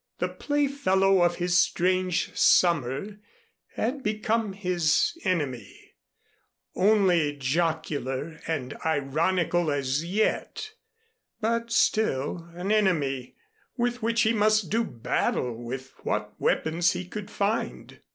The playfellow of his strange summer had become his enemy, only jocular and ironical as yet, but still an enemy, with which he must do battle with what weapons he could find.